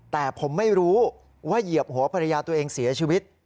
แต่ผมไม่รู้ว่าเหยียบหัวภรรยาตัวเองเสียชีวิต